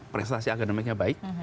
prestasi akademiknya baik